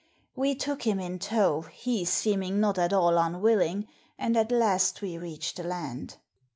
We took him in tow, he seeming not at all unwilling, and at last we reached the land.